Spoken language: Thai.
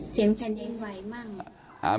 เสียงแผ่นดินไหวมั่ง